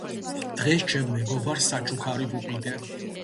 დღეს ჩემ მეგობარს საჩუქარი ვუყიდე